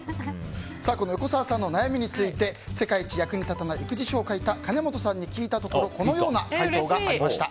横澤さんの悩みについて「世界一役に立たない育児書」を書いたかねもとさんに聞いたところこのような回答がありました。